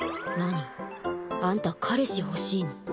何？あんた彼氏欲しいの？